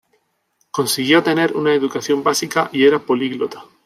Consiguió tener una educación básica y era políglota.